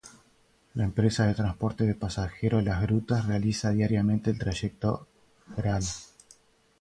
La empresa de transportes de pasajeros "Las Grutas" realiza diariamente el trayecto Gral.